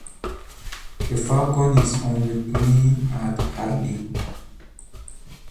The "Falcon" is on the Plain at Hadley.